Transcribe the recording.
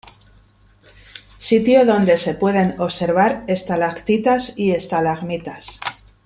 Sitio donde se pueden observar estalactitas y estalagmitas.